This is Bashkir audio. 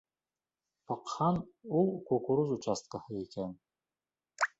Баҡһаң, ул кукуруз участкаһы икән.